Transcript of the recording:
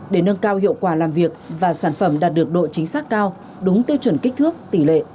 để nâng cao hiệu quả làm việc và sản phẩm đạt được độ chính xác cao đúng tiêu chuẩn kích thước tỷ lệ